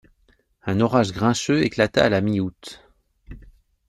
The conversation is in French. Un orage grincheux éclata à la mi-août.